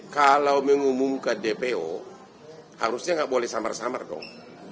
kalau mengumumkan dpo harusnya nggak boleh samar samar dong